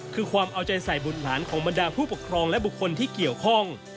คือความเอาใจใส่บุตรหลานของบรรดาผู้ปกครองและบุคคลที่เกี่ยวข้อง